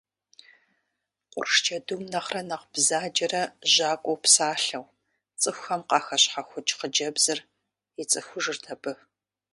Къурш джэдум нэхърэ нэхъ бзаджэрэ жьакӏуэу псалъэу цӏыхухэм къахэщхьэхукӏ хъыджэбзыр ицӏыхужырт абы.